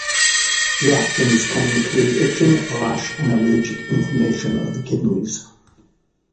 Reactions can include itching, rash and allergic inflammation of the kidneys.